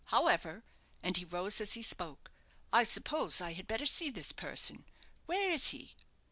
However," and he rose as he spoke, "I suppose I had better see this person. Where is he?"